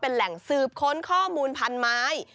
เป็นแหล่งสืบค้นข้อมูลพันไม้